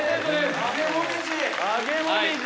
「揚げもみじ！」